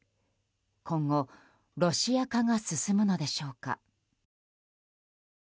今後、ロシア化が進むのでしょうか。